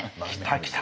来た！